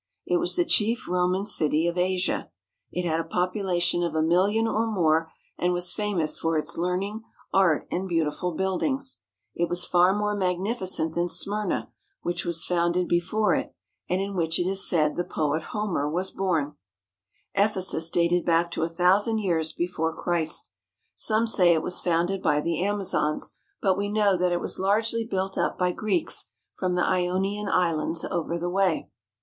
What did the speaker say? It was the chief Roman city of Asia. It had a population of a million or more and was famous for its learning, art, and beautiful build 262 THE SHRINE OF DIANA OF THE EPHESIANS ings. It was far more magnificent than Smyrna, which was founded before it, and in which it is said the poet Homer was born. Ephesus dated back to a thousand years before Christ. Some say it was founded by the Amazons, but we know that it was largely built up by Greeks from the Ionian Islands over the way.